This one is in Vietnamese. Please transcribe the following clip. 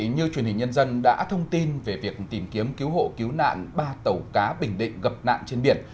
như truyền hình nhân dân đã thông tin về việc tìm kiếm cứu hộ cứu nạn ba tàu cá bình định gặp nạn trên biển